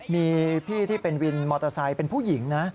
มีพี่ที่เป็นวินมอเตอร์ไซค์เป็นผู้หญิงนะ